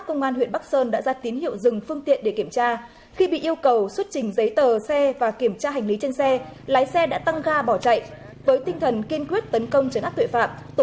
công an huyện bắc sơn tỉnh lạng sơn cho biết vừa trịt phá vụ vận chuyển ma túy đá